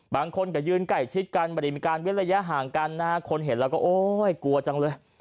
บางคนก็ยืนไก่ชิดกันบริมิการเวลายะห่างกันคนเห็นแล้วก็โอ๊ยกลัวจังเลย